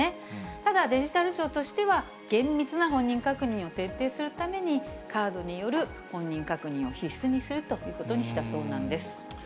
ただ、デジタル庁としては、厳密な本人確認を徹底するために、カードによる本人確認を必須にするということにしたそうなんです。